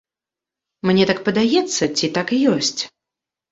Мне так падаецца ці так і ёсць?